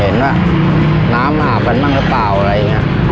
เห็นว่าน้ำหาบกันบ้างหรือเปล่าอะไรอย่างนี้